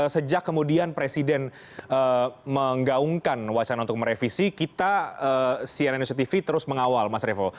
sejak kemudian presiden menggaungkan wacana untuk merevisi kita cnn indonesia tv terus mengawal mas revo